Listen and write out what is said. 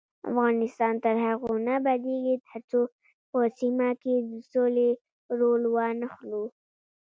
افغانستان تر هغو نه ابادیږي، ترڅو په سیمه کې د سولې رول وانخلو.